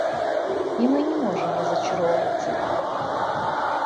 И мы не можем разочаровывать их.